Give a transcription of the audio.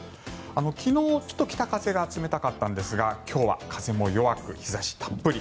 昨日、北風が冷たかったんですが今日は風も弱く日差したっぷり。